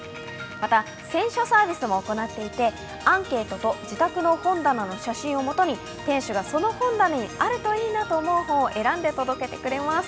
また、選書サービスも行っていてアンケートと自宅の本棚の写真をもとに店主がその本棚にあるといいなと思う本を選んで届けてくれます。